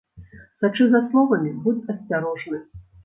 Сачы за словамі, будзь асцярожны.